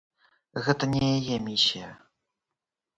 Гэта не яе місія.